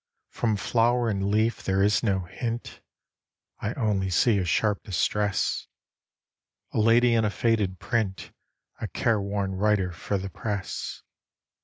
From flower and leaf there is no hint I only see a sharp distress A lady in a faded print, A careworn writer for the press.